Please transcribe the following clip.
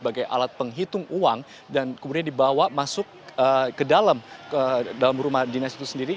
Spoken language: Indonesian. sebagai alat penghitung uang dan kemudian dibawa masuk ke dalam rumah dinas itu sendiri